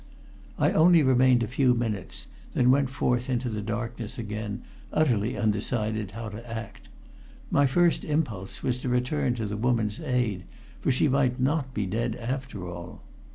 I only remained a few minutes, then went forth into the darkness again, utterly undecided how to act. My first impulse was to return to the woman's aid, for she might not be dead after all.